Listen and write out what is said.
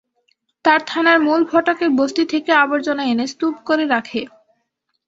তারা থানার মূল ফটকে বস্তি থেকে আবর্জনা এনে স্তূপ করে রাখে।